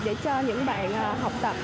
để cho những bạn học tập